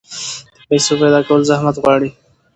د پیسو پیدا کول زحمت غواړي.